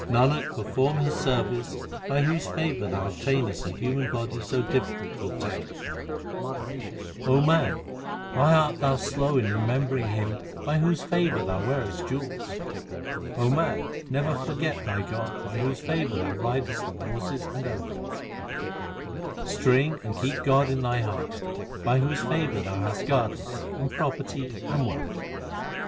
Nanak, perform His service By whose favour thou obtainest a human body so difficult to obtain. 1 The Sikhs repeal this pad also as grace after meals. 216 THE SIKH RELIGION 4 O man, why art thou slow in remembering Him By whose favour thou wearest jewels ? man, never forget thy God By whose favour thou ridest on horses and elephants. String and keep God in thy heart By whose favour thou hast gardens, and property, and wealth.